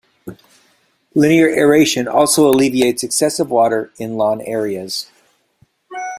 Linear aeration also alleviates excessive water in lawn areas.